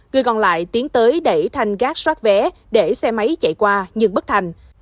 người còn lại tiến tới đẩy thanh gác xoát vé để xe máy chạy qua nhưng bất thành